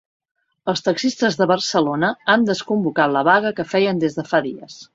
Els taxistes de Barcelona han desconvocat la vaga que feien des de fa dies.